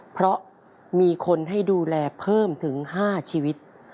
เพราะมีคนให้ดูแลเพิ่มถึง๕ชีวิต